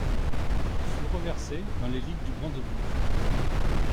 Il fut reversé dans les ligues du Brandebourg.